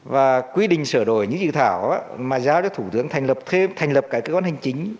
và quy định sửa đổi những dự thảo mà giao cho thủ tướng thành lập cơ quan hành chính